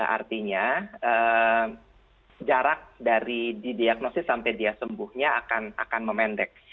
artinya jarak dari didiagnosis sampai dia sembuhnya akan memendek